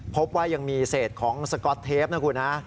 พบว่ายังมีเศษของสก๊อตเทปนะคุณฮะ